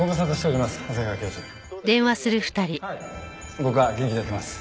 僕は元気でやってます。